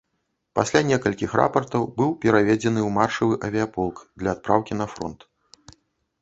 Пасля некалькіх рапартаў быў пераведзены ў маршавы авіяполк для адпраўкі на фронт.